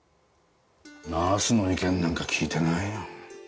ナースの意見なんか聞いてないよ。